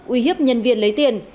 uy hiếp nhân viên lấy tiền